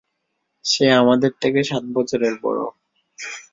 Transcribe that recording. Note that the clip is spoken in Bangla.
সে আমাদের থেকে সাত বছরের বড়।